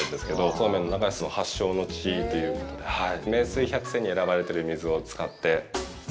そうめんの流すの発祥の地ということで名水百選に選ばれてる水を使って。